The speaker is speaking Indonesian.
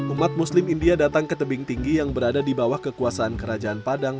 umat muslim india datang ke tebing tinggi yang berada di bawah kekuasaan kerajaan padang